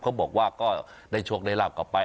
เขาบอกว่าก็ได้โชคได้ลาบกลับไป